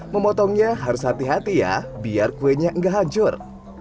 memotongnya harus hati hati ya biar kuenya enggak hancur